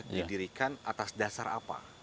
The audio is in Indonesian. didirikan atas dasar apa